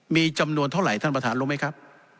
มีจำนวนเท่าไหร่ท่านประธานรู้ไหมครับ